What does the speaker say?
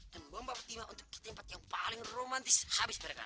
dan buang mbak fatima untuk ke tempat yang paling romantis habis berkara